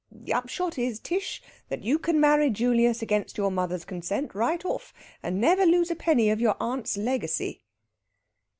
"The upshot is, Tish, that you can marry Julius against your mother's consent right off, and never lose a penny of your aunt's legacy."